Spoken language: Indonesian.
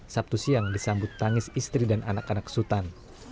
sabtu siang disambut tangis istri dan anak anak sultan